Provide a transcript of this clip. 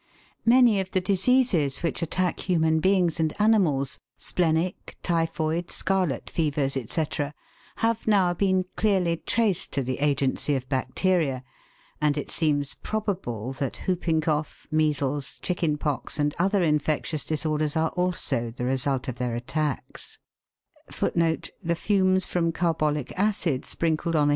Many of the diseases which attack human beings and animals splenic, typhoid, scarlet fevers, &c., have now been clearly traced to the agency of bacteria, and it seems probable that whooping cough,* measles, chicken pox, and other infectious disorders, are also the result of their attacks.